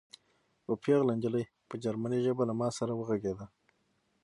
یوه پېغله نجلۍ په جرمني ژبه له ما سره وغږېده